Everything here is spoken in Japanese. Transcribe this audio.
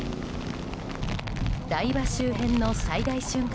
台場周辺の最大瞬間